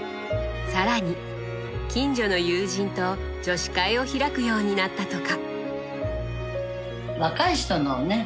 更に近所の友人と女子会を開くようになったとか。